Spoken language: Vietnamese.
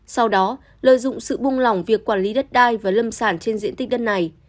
sau đó lợi dụng sự bung lỏng việc quản lý đất đai và lâm sản trên diện tích đất này